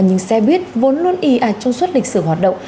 nhưng xe buýt vốn luôn y ạch trong suốt lịch sử hoạt động